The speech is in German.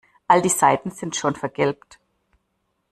All die Seiten sind schon vergilbt.